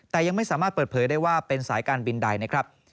แต่ยังไม่สามารถเปิดเผยได้ว่าเป็นสายการบินใดนะครับ